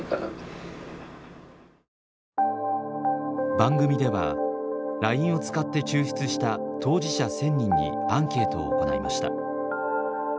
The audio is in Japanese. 番組ではＬＩＮＥを使って抽出した当事者１，０００人にアンケートを行いました。